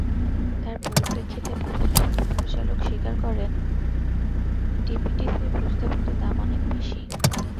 তার পরিপ্রেক্ষিতে ব্যবস্থাপনা পরিচালক স্বীকার করেন, ডিপিডিসির প্রস্তাবিত দাম অনেক বেশি।